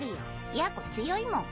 やーこ強いもん。